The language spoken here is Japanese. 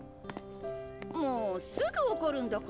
もうすぐ怒るんだから。